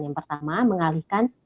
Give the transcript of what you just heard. yang pertama mengalihkan